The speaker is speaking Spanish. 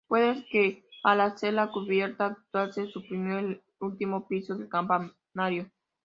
Puede que al hacer la cubierta actual se suprimió el último piso del campanario.